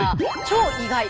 超意外！